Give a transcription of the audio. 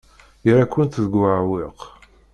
Yerra-kent deg uɛewwiq.